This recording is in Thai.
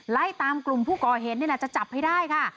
ไล่ตามกลุ่มผู้ก่อเหตุนี่แหละจะจับให้ได้ค่ะ